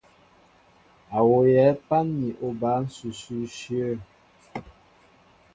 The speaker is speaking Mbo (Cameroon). M̀ wooyɛ pân ni oba ǹsʉsʉ ǹshyə̂.